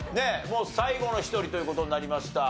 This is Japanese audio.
もう最後の１人という事になりました。